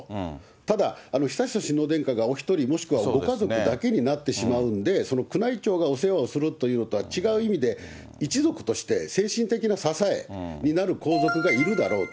ただ、悠仁親王殿下がお１人、もしくはご家族だけになってしまうんで、その宮内庁がお世話をするというのとは違う意味で、一族として精神的な支えになる皇族がいるだろうと。